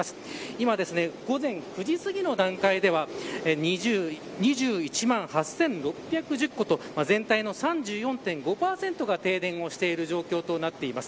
今午前９時すぎの段階では２１万８６１０戸と全体の３４．５％が停電している状況です。